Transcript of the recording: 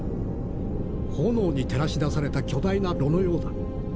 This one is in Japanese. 炎に照らし出された巨大な炉のようだ。